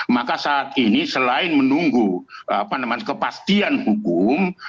maka saat ini selain menunggu kepastian hukum